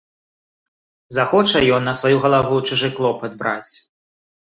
Захоча ён на сваю галаву чужы клопат браць.